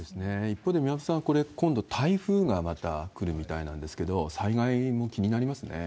一方で、宮本さん、今度、台風がこれ、また来るみたいなんですけど、災害も気になりますね。